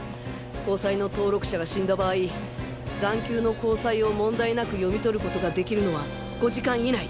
虹彩の登録者が死んだ場合眼球の虹彩を問題なく読み取る事ができるのは５時間以内。